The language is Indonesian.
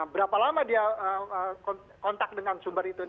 berapa lama dia kontak dengan sumber itu